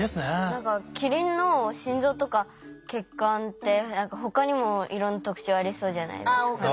何かキリンの心臓とか血管ってほかにもいろんな特徴ありそうじゃないですか？